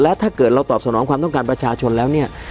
ถ้าเกิดเราตอบสนองความต้องการประชาชนแล้วเนี่ย